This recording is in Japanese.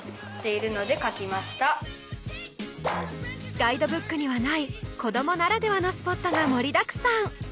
ガイドブックには無い子どもならではのスポットが盛りだくさん！